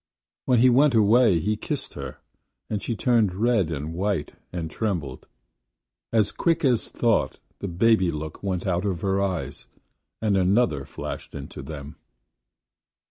When he went away he kissed her, and she turned red and white and trembled. As quick as thought the baby look went out of her eyes and another flashed into them.